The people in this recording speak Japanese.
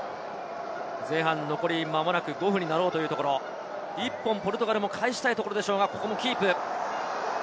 前半、残りまもなく５分になろうかというところ、１本ポルトガルも返したいところでしょうが、キープ。